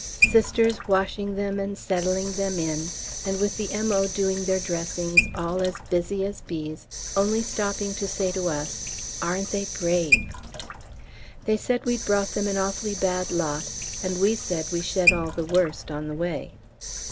Sisters washing them and settling them in, and with the M.O. doing their dressings, all as busy as bees, only stopping to say to us, "Aren't they brave?" They said we'd brought them an awfully bad lot, and we said we shed all the worst on the way.